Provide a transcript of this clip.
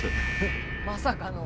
まさかの。